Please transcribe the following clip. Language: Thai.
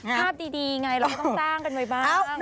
ภาพดีไงเราก็ต้องสร้างกันไว้บ้าง